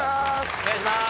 お願いしまーす。